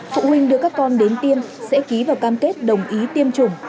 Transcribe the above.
phụ huynh đưa các con đến tiêm sẽ ký vào cam kết đồng ý tiêm chủng